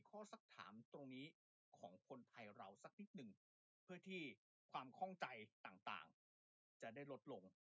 สักถามตรงนี้ของคนไทยเราสักนิดหนึ่งเพื่อที่ความข้องใจต่างมันจะได้ลดลง